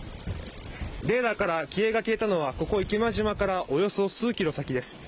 レーダーから機影が消えたのはここ、池間島からおよそ数キロ先です。